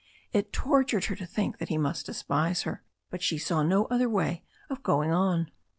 It tortured her to think that he must despise her, but she saw no other way of going on.